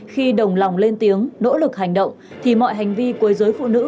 khi đồng lòng lên tiếng nỗ lực hành động thì mọi hành vi quấy dối phụ nữ